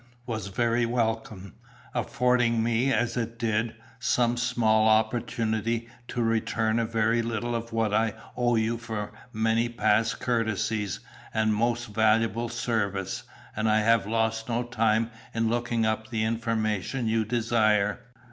was very welcome, affording me, as it did, some small opportunity to return a very little of what I owe you for many past courtesies and most valuable service, and I have lost no time in looking up the information you desire.